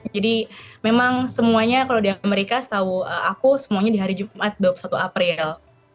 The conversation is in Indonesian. jadi memang semuanya kalau di amerika setahu aku semuanya di hari jumat dua puluh satu april